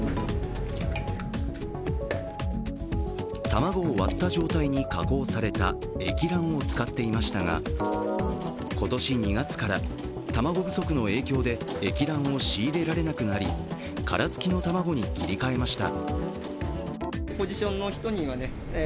卵を割った状態に加工された液卵を使っていましたが今年２月から卵不足の影響で液卵を仕入れられなくなり殻付きの卵に切り替えました。